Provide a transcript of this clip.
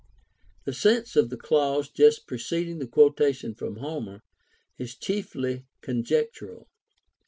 The sense of the clau.se just preceding the quotation from Homer is cliiefly conjectural.